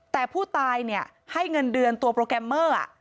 แต่ผู้ตายเนี่ยให้เงินเดือนตัวโปรแกรมเมอร์